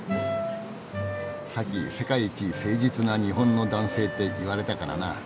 さっき「世界一誠実な日本の男性」って言われたからなあ。